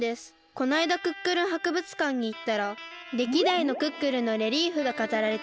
こないだクックルンはくぶつかんにいったられきだいのクックルンのレリーフがかざられてて。